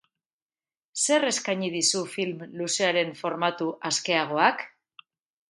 Zer eskaini dizu film luzearen formatu askeagoak?